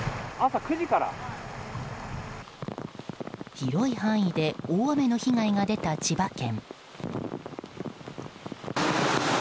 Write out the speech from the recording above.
広い範囲で大雨の被害が出た千葉県。